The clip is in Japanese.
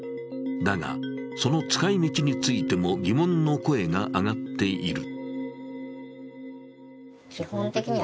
だが、その使い道についても疑問の声が上がっている。